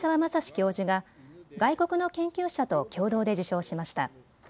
教授が外国の研究者と共同で受賞しました。